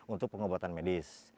untuk pengobatan medis